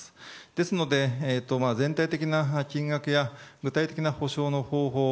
ですので、全体的な金額や具体的な補償の方法